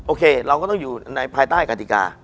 โอเคเราก็ต้องอยู่ภายใต้กติกา